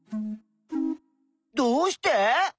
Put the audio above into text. どうして？